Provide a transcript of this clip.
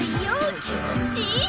気持ちいい！